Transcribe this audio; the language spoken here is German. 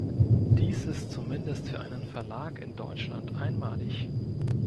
Dies ist zumindest für einen Verlag in Deutschland einmalig.